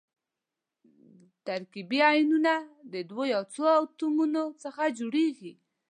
ترکیبي ایونونه د دوو یا څو اتومونو څخه جوړیږي.